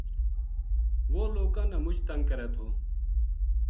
وہ لوکاں نا مچ تنگ کرے تھو